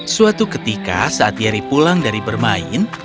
suatu ketika saat yeri pulang dari bermain